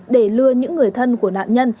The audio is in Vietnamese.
để lừa những người thân của nạn nhân